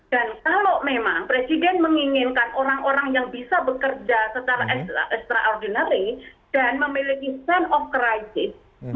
dan kalau memang presiden menginginkan orang orang yang bisa bekerja secara extraordinary dan memiliki stand of crisis